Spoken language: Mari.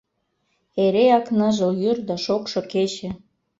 Эреак ныжыл йӱр да шокшо кече.